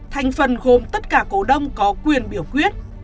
thành phần gồm tất cả cổ đông có quyền biểu quyết